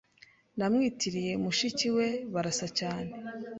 Namwitiriye mushiki we. Barasa cyane.